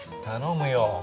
頼むよ。